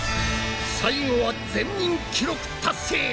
最後は全員記録達成！